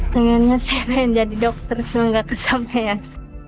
tengahnya saya pengen jadi dokter semoga kesampean